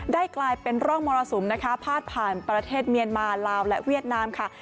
กลายเป็นร่องมรสุมนะคะพาดผ่านประเทศเมียนมาลาวและเวียดนามค่ะ